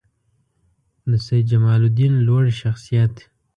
د سیدجمالدین لوړ شخصیت